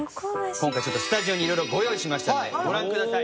今回ちょっとスタジオに色々ご用意しましたんでご覧ください。